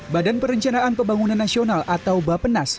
badan perencanaan pembangunan nasional atau bapenas